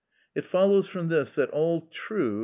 It follows from this that all true, _i.